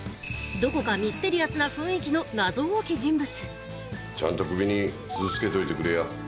どこかミステリアスな雰囲気の謎多き人物ちゃんと首に鈴つけといてくれや。